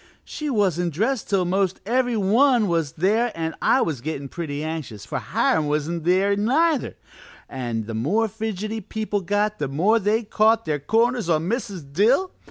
She wasn't dressed till most every one was there an' I was gettin' pretty anxious, for Hiram wasn't there neither, an' the more fidgety people got the more they caught their corners on Mrs. Dill.